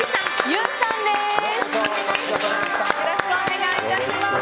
よろしくお願いします！